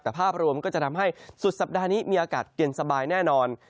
แต่ภาพรวมก็จะทำให้สุดสัปดาห์นี้มีอากาศเย็นสบายแน่นอน